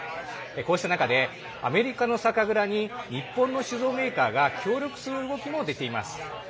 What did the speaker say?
こうした中で、アメリカの酒蔵に日本の酒造メーカーが協力する動きも出ています。